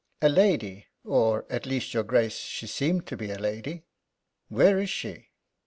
"A lady or, at least, your Grace, she seemed to be a lady." "Where is she?"